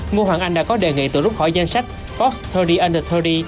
ngô hoàng anh đã có đề nghị tự rút khỏi danh sách fox ba mươi under ba mươi